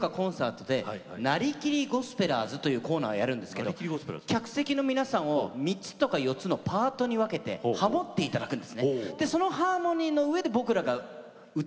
僕らですとライブとかで「なりきりゴスペラーズ」というコーナーをやるんですが客席の皆さん３つとか４つのパートに分けてハモっていただくんです。